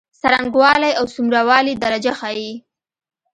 د څرنګوالی او څومره والي درجه ښيي.